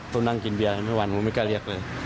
ต้องนั่งกินเบียร์ไม่วันก็ไม่กล้าเรียกเลย